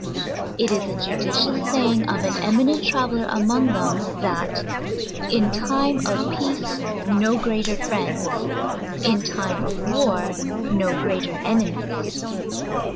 It is a judicious saying of an eminent traveller arptngthem, that, "in time of peace no greater friend?, in time of war no greater enemies."